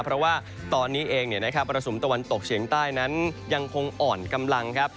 เพราะว่าตอนนี้เองมรสุมตะวันตกเฉียงใต้นั้นยังคงอ่อนกำลังครับ